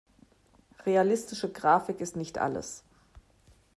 Realistische Grafik ist nicht alles.